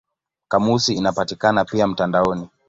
Kamusi inapatikana pia mtandaoni.